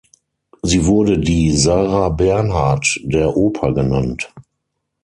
Sie wurde die „Sarah Bernhardt der Oper“ genannt.